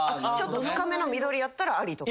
ちょっと深めの緑やったらあり？